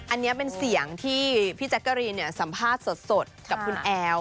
อันนี้เป็นเสียงที่พี่แจ๊กกะรีนสัมภาษณ์สดกับคุณแอล